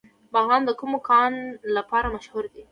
بغلان د کوم کان لپاره مشهور دی؟